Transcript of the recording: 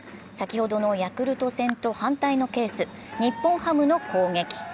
先ほどのヤクルト戦と反対のケース、日本ハムの攻撃。